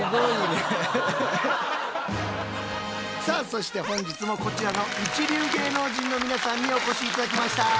さあそして本日もこちらの一流芸能人の皆さんにお越し頂きました。